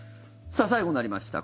さあ、最後になりました